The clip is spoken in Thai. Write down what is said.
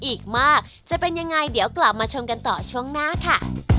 อีกมากจะเป็นยังไงเดี๋ยวกลับมาชมกันต่อช่วงหน้าค่ะ